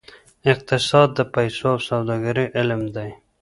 اقتصاد د پیسو او سوداګرۍ علم دی.